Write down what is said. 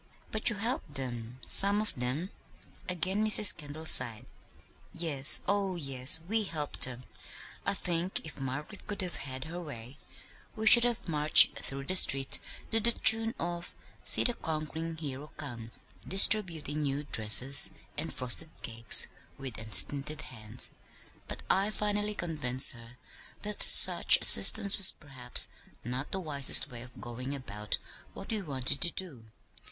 "But you helped them some of them?" Again Mrs. Kendall sighed. "Yes, oh, yes, we helped them. I think if Margaret could have had her way we should have marched through the streets to the tune of 'See the conquering hero comes,' distributing new dresses and frosted cakes with unstinted hands; but I finally convinced her that such assistance was perhaps not the wisest way of going about what we wanted to do.